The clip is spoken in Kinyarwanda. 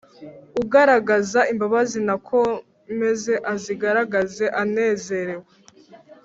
ugaragaza imbabazi, nakomeze azigaragaze anezerewe